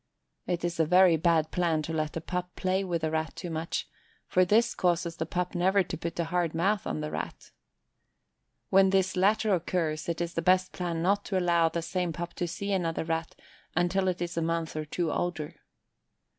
It is a very bad plan to let a pup play with a Rat too much, for this causes the pup never to put a hard mouth on the Rat. When this latter occurs it is the best plan not to allow the same pup to see another Rat until it is a month or two older.